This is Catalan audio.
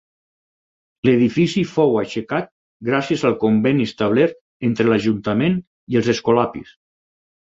L'edifici fou aixecat gràcies al conveni establert entre l'Ajuntament i els escolapis.